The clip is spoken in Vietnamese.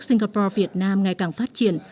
singapore việt nam ngày càng phát triển